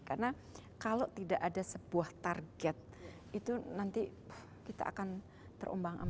karena kalau tidak ada sebuah target itu nanti kita akan terumbang ambang